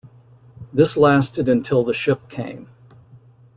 This lasted until the ship came.